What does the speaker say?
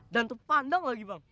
dan tuh pandang lagi bang